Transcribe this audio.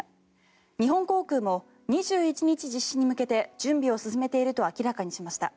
日本航空も２１日実施に向けて準備を進めていると明らかにしました。